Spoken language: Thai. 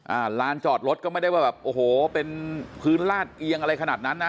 ลานจอดรถก็ไม่ได้ว่าแบบโอ้โหเป็นพื้นลาดเอียงอะไรขนาดนั้นนะ